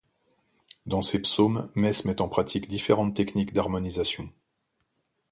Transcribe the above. Dans ses psaumes, Mes met en pratique différentes techniques d'harmonisation.